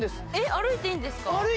歩いていいんです